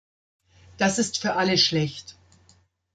Das ist für alle schlecht.